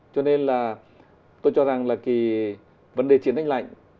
cho nên là tôi cho rằng là cái vấn đề chiến tranh lạnh